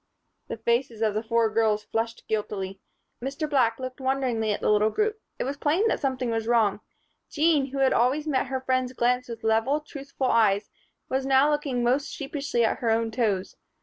The faces of the four girls flushed guiltily. Mr. Black looked wonderingly at the little group. It was plain that something was wrong. Jean, who had always met her friend's glance with level, truthful eyes, was now looking most sheepishly at her own toes.